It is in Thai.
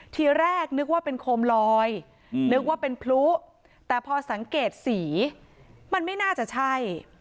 ทีแรกนึกว่าเป็นโคมลอยนึกว่าเป็นพลุแต่พอสังเกตสีมันไม่น่าจะใช่